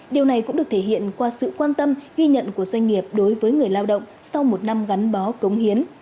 điều này cũng được thể hiện qua sự quan tâm ghi nhận của doanh nghiệp đối với người lao động sau một năm gắn bó cống hiến